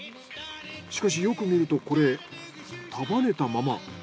しかしよく見るとこれ束ねたまま。